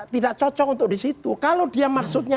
tidak cocok untuk disitu kalau dia maksudnya